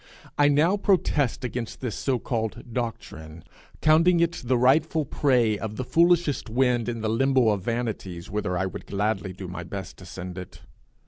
I now protest against this so called doctrine, counting it the rightful prey of the foolishest wind in the limbo of vanities, whither I would gladly do my best to send it.